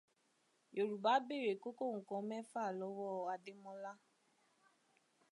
Yorùbá béèrè kókó ǹkan mẹ́fà lọ́wọ́ Adẹ́mọ́lá.